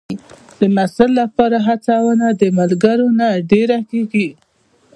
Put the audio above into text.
د محصل لپاره هڅونه د ملګرو نه ډېره کېږي.